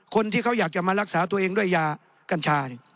คนที่เขาอยากจะมารักษาตัวเองด้วยยากัญชา